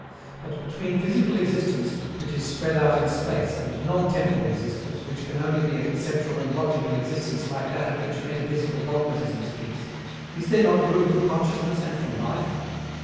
But between physical existence, which is spread out in space, and non temporal existence, which can only be a conceptual and logical existence like that of which metaphysical dogmatism speaks, is there not room for consciousness and for life?